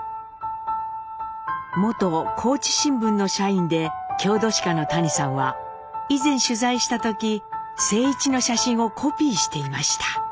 元高知新聞の社員で郷土史家の谷さんは以前取材した時静一の写真をコピーしていました。